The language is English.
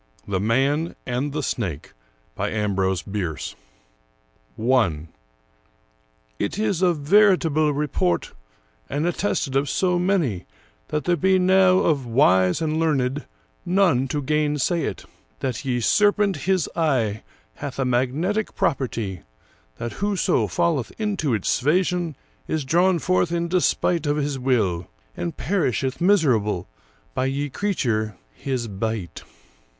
The Man and the Snake I It is of veritabyll report, and attested of so many that there be nowe of wyse and learned none to gaynsaye it, that ye serpente hys eye hath a magnetick propertie that whosoe falleth into its svasion is drawn forwards in despyte of his wille, and perisheth miserabyll by ye creature hys byte.